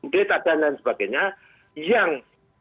desa dan lain sebagainya yang